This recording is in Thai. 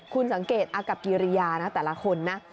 คุณสังเกตอากับกิริยานะแต่ละคนนะ